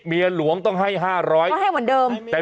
เมียลวงที่ให้๕๐๐